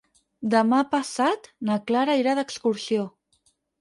Demà passat na Clara irà d'excursió.